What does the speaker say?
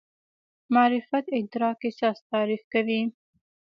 معرفت ادراک اساس تعریف کوي.